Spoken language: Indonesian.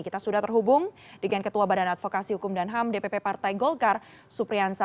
kita sudah terhubung dengan ketua badan advokasi hukum dan ham dpp partai golkar supriyansa